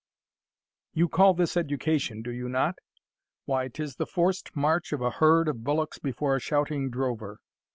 You call this education, do you not? Why 'tis the forced march of a herd of bullocks Before a shouting drover.